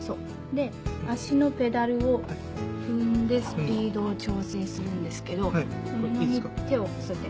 で足のペダルを踏んでスピードを調整するんですけど布に手を添えて。